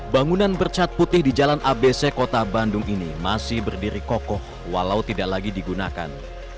bangunan bercat putih di jalan abc kota bandung ini masih berdiri kokoh walau tidak lagi digunakan